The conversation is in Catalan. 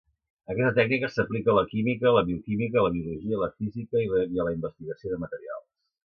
Aquesta tècnica s'aplica a la química, la bioquímica, la biologia, la física i a la investigació de materials.